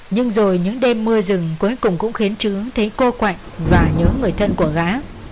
nhưng rồi những đêm mưa rừng cuối cùng cũng khiến trứng thấy cô quạnh và nhớ người thân của gã